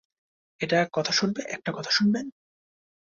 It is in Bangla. একটা কথা শুনবেন?